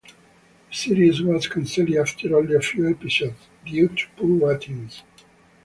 The series was canceled after only a few episodes due to poor ratings.